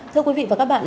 thưa quý vị và các bạn